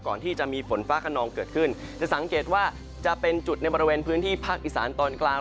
ก่อนที่จะมีฝนฟ้าขนองเกิดขึ้นจะสังเกตว่าจะเป็นจุดในบริเวณพื้นที่ภาคอีสานตอนกลาง